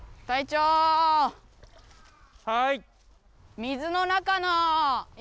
はい！